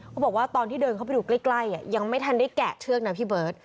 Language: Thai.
เขาบอกว่าตอนที่เดินเข้าไปดูใกล้ยังไม่ทันได้แกะเชือกนะพี่เบิร์ต